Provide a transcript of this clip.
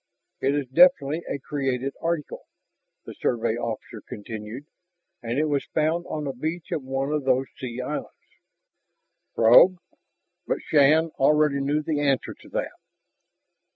"It is definitely a created article," the Survey officer continued. "And it was found on the beach of one of those sea islands." "Throg?" But Shann already knew the answer to that.